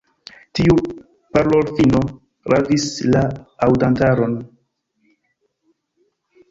Tiu parolfino ravis la aŭdantaron.